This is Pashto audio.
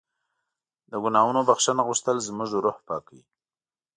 د ګناهونو بښنه غوښتل زموږ روح پاکوي.